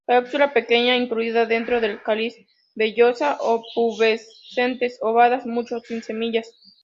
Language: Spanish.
Cápsula pequeña, incluida dentro del cáliz, vellosa o pubescentes, ovadas, muchos sin semillas.